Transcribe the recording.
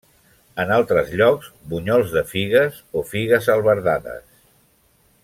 En altres llocs, bunyols de figues o figues albardades.